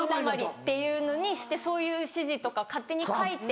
っていうのにしてそういう指示とか勝手に書いて。